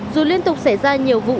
dù liên tục xảy ra nhiều vụ